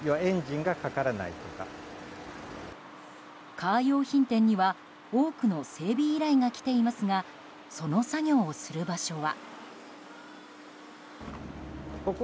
カー用品店には多くの整備依頼が来ていますがその作業をする場所は。